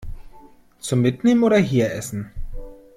Zum Mitnehmen oder hier essen?